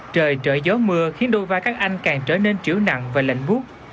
trời trở gió mưa khiến đôi vai các anh càng trở nên triểu nặng và lạnh buốt